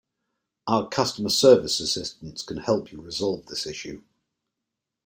Our customer service assistants can help you resolve this issue.